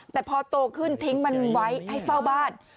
แต่พอโตขึ้นทิ้งมันไว้ให้เฝ้าบ้าน